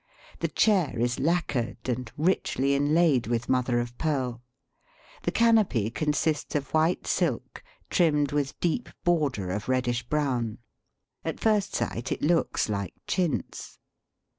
The chair is lacquered and richly inlaid with mother of pearl. The canopy con sists of white silk trimmed with deep border of reddish brown. At first sight it looks like chintz.